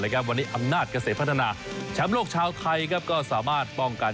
และครับยังไม่อังงาดเกษตรพัฒนาช้ำโลกชาวไทยก็สามารถป้องกัน